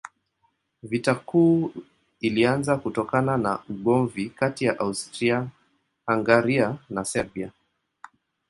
Vita Kuu ilianza kutokana na ugomvi kati ya Austria-Hungaria na Serbia.